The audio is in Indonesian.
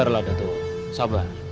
sabarlah datuk sabar